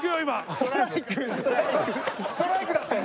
ストライクだったよ